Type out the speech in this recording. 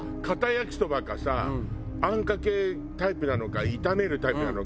焼きそばかさあんかけタイプなのか炒めるタイプなのか。